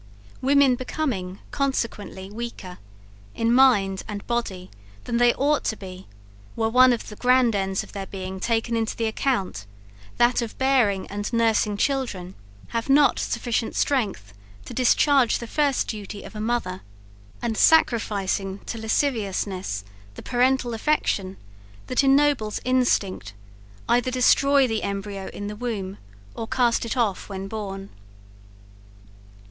Women becoming, consequently weaker, in mind and body, than they ought to be, were one of the grand ends of their being taken into the account, that of bearing and nursing children, have not sufficient strength to discharge the first duty of a mother; and sacrificing to lasciviousness the parental affection, that ennobles instinct, either destroy the embryo in the womb, or cast it off when born.